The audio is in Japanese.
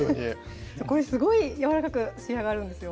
これすごいやわらかく仕上がるんですよ